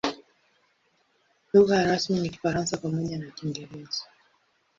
Lugha rasmi ni Kifaransa pamoja na Kiingereza.